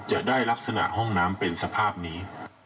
จะได้ลักษณะห้องน้ำเป็นสภาพนี้